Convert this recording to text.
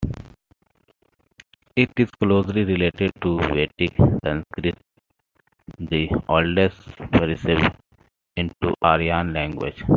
It is closely related to Vedic Sanskrit, the oldest preserved Indo-Aryan language.